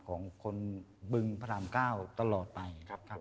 ของคนบึงพระราม๙ตลอดไป